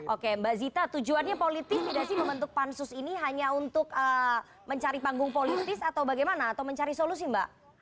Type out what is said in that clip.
oke mbak zita tujuannya politis tidak sih membentuk pansus ini hanya untuk mencari panggung politis atau bagaimana atau mencari solusi mbak